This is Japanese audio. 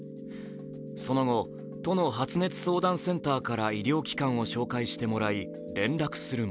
その後、都の発熱相談センターから医療機関を紹介してもらい連絡するも